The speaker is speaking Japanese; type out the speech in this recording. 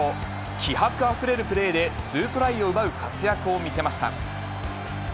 気迫あふれるプレーで２トライを奪う活躍を見せました。